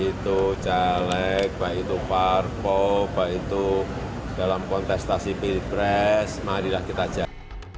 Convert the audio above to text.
baik itu jelek baik itu parpo baik itu dalam kontestasi pilih pres marilah kita jalan